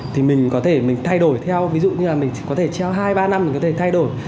thì mình có thể mình thay đổi theo ví dụ như là mình có thể treo hai ba năm mình có thể thay đổi